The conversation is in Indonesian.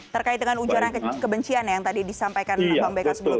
terkait dengan ujaran kebencian yang tadi disampaikan bang beka sebelumnya